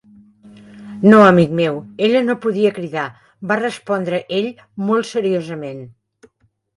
"No, amic meu, ella no podia cridar", va respondre ell molt seriosament.